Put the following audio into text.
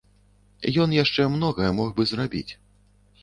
Ён яшчэ многае мог бы зрабіць.